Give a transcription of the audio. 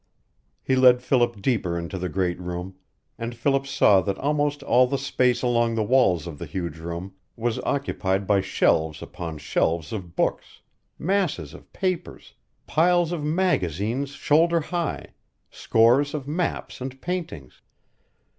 He led Philip deeper into the great room, and Philip saw that almost all the space along the walls of the huge room was occupied by shelves upon shelves of books, masses of papers, piles of magazines shoulder high, scores of maps and paintings.